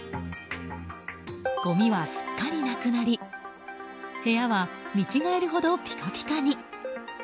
ごみはすっかりなくなり部屋は見違えるほどピカピカに。